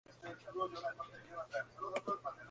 No obstante, no pudo ser implementado.